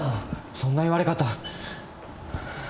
そんな言われ方。